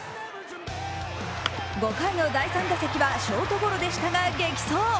５回の第３打席はショートゴロでしたが、激走。